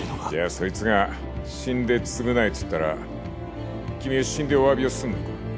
そいつが死んで償えっつったら君は死んでお詫びをすんのか？